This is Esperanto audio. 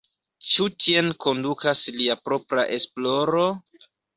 Ĉu tien kondukas lia propra esploro?